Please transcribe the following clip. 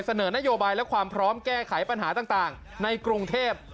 เสนอนโยบายและความพร้อมแก้ไขปัญหาต่างในกรุงเทพ